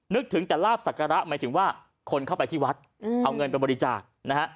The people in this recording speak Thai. นึกถึงแต่ลาบศักระหมายถึงว่าคนเข้าไปที่วัดเอาเงินไปบริจาคนะฮะ